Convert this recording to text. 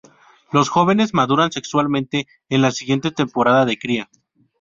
Los jóvenes maduran sexualmente en la siguiente temporada de cría.